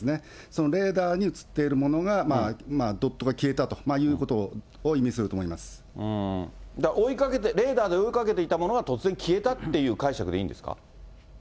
そのレーダーに映っているものがドットが消えたということを意味追いかけて、レーダーで追いかけていたものが突然消えたという解釈でいいんですか。